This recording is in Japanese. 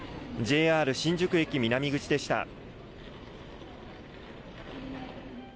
ＪＲ新宿駅南口でした。